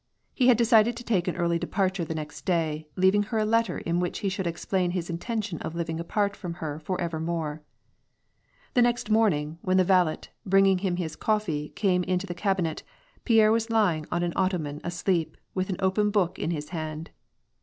He had decided to take an early departure the next day, leaving her a letter in which he should explain his intention of living apart from her for evermore. The next morning, when the valet, bringing him bis coffee, came into the cabinet, Pierre was lying on an ottoman asleep, with an open book in his hand.